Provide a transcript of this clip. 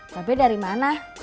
tapi dari mana